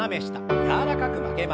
柔らかく曲げます。